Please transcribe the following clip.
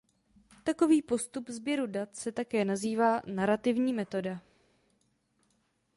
Takový postup sběru dat se také nazývá narativní metoda.